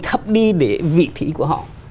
thấp đi để vị thí của họ